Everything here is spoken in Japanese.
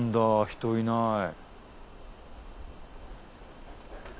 人いない。